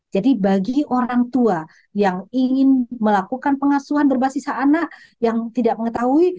jadi bagi orang tua yang ingin melakukan pengasuhan berbasis anak yang tidak mengetahui